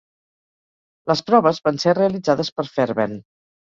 Les proves van ser realitzades per Fairbairn.